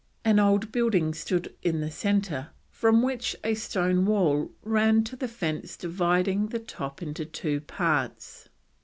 An old building stood in the centre from which a stone wall ran to the fence dividing the top into two parts.